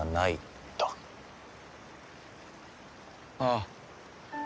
ああ。